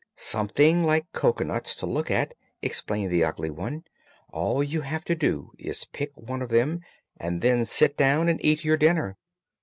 "Something like cocoanuts, to look at," explained the Ugly One. "All you have to do is to pick one of them and then sit down and eat your dinner.